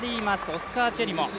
オスカー・チェリモ。